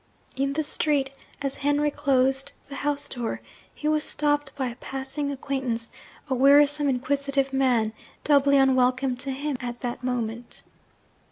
In the street, as Henry closed the house door, he was stopped by a passing acquaintance a wearisome inquisitive man doubly unwelcome to him, at that moment.